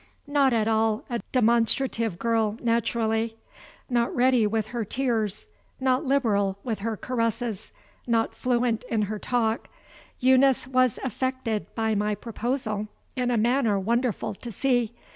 Not at all a demonstrative girl naturally; not ready with her tears, not liberal with her caresses, not fluent in her talk, Eunice was affected by my proposal in a manner wonderful to see.